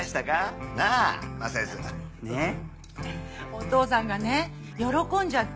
お父さんがね喜んじゃって。